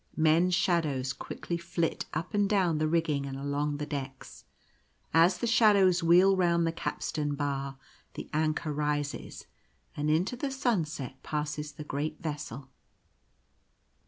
Men's shadows quickly flit up and down the rigging and along the decks. As the shadows wheel round the capstan bar the anchor rises ; and into the sunset passes the great vessel.